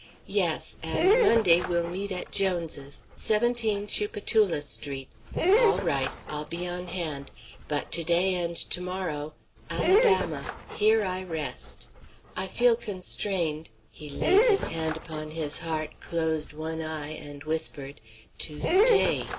Yes, and Monday we'll meet at Jones's, 17 Tchoupitoulas Street; all right; I'll be on hand. But to day and to morrow 'Alabama' 'here I rest.' I feel constrained" he laid his hand upon his heart, closed one eye, and whispered "to stay.